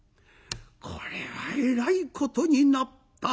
これはえらいことになった。